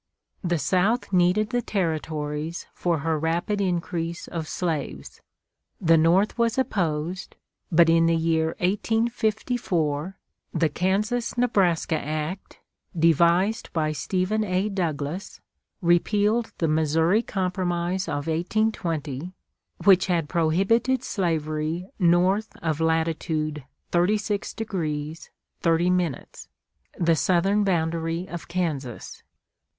The South needed the Territories for her rapid increase of slaves. The North was opposed; but in the year 1854 the Kansas Nebraska Act, devised by Stephen A. Douglas, repealed the Missouri Compromise of 1820, which had prohibited slavery north of latitude 36° 30', the southern boundary of Kansas.